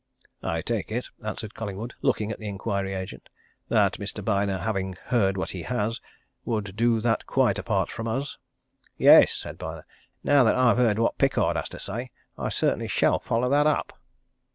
"I take it," answered Collingwood, looking at the inquiry agent, "that Mr. Byner having heard what he has, would do that quite apart from us?" "Yes," said Byner. "Now that I've heard what Pickard had to say, I certainly shall follow that up."